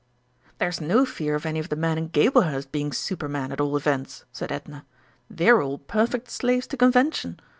"There's no fear of any of the men in Gablehurst being Supermen, at all events!" said Edna. "They're all perfect slaves to convention!